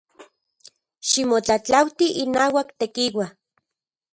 Ximotlajtlauati inauak Tekiua.